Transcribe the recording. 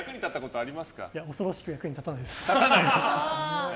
恐ろしく役に立たないです。